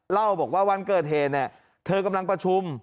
เล่าบอกว่าวันเกิดเหตุเนี่ยเธอกำลังประชุม